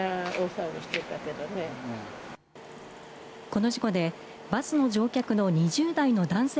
この事故でバスの乗客の２０代の男性